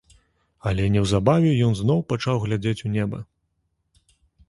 Але неўзабаве ён зноў пачаў глядзець у неба.